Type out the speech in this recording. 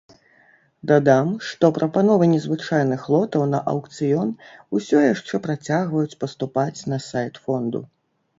Дадам, што прапановы незвычайных лотаў на аўкцыён усё яшчэ працягваюць паступаць на сайт фонду.